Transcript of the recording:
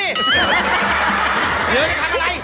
เฮ้ยอย่าทำอะไร